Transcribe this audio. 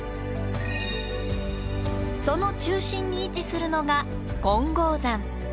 その中心に位置するのが金剛山。